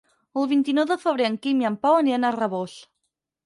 El vint-i-nou de febrer en Quim i en Pau aniran a Rabós.